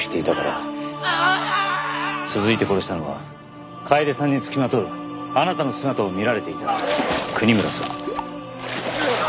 続いて殺したのは楓さんに付きまとうあなたの姿を見られていた国村さん。